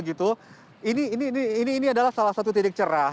ini adalah salah satu titik cerah